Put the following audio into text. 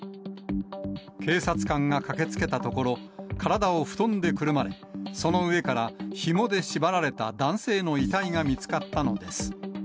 警察官が駆けつけたところ、体を布団でくるまれ、その上からひもで縛られた男性の遺体が見つかったのです。